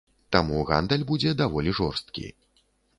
Таму гандаль будзе даволі жорсткі.